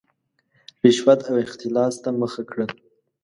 رشوت او اختلاس ته مخه کړه.